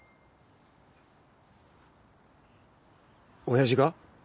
親父が？